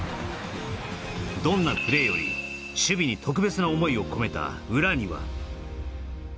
どんなプレーより守備に特別な思いを込めた裏には